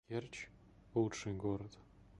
Керчь — лучший город